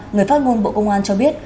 người phát ngôn bộ công an cho biết